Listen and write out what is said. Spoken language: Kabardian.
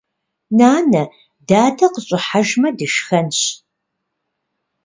Нанэ, дадэ къыщӀыхьэжмэ дышхэнщ.